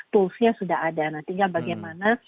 tools nya sudah ada nantinya bagaimana